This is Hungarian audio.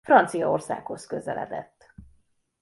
Franciaországhoz közeledett.